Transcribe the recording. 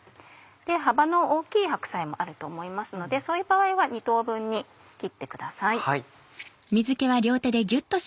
幅の大きい白菜もあると思いますのでそういう場合は２等分に切ってください。